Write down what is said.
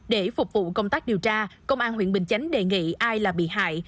để phục vụ công tác điều tra công an huyện bình chánh đề nghị ai là bị hại